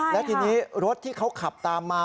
และทีนี้รถที่เขาขับตามมา